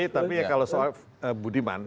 tapi kalau soal budiman